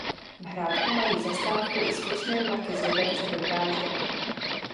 V Hrádku mají zastávku i spěšné vlaky z Liberce do Drážďan.